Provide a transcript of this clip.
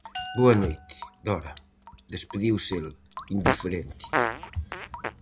-Boa noite, Dora -despediuse el, indiferente.